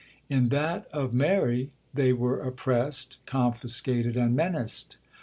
In that of Mary, they were oppressed, confiscated, and menaced.